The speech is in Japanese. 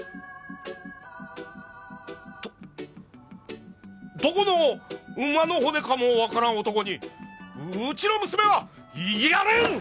どどこの馬の骨かもわからん男にうちの娘はやれん！